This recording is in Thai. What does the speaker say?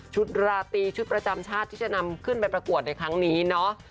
ราตรีชุดประจำชาติที่จะนำขึ้นไปประกวดในครั้งนี้เนาะ